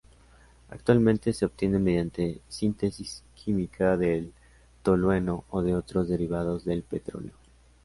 Actualmente se obtiene mediante síntesis química del tolueno o de otros derivados del petróleo.